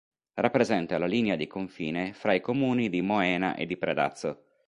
Rappresenta la linea di confine fra i comuni di Moena e di Predazzo.